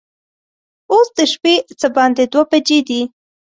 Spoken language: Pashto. اوس د شپې څه باندې دوه بجې دي.